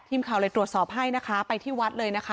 ทีมข่าวเลยตรวจสอบให้นะคะไปที่วัดเลยนะคะ